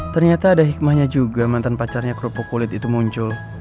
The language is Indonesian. ternyata ada hikmahnya juga mantan pacarnya kerupuk kulit itu muncul